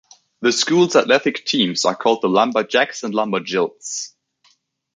The schools athletic teams are called the LumberJacks and LumberJills.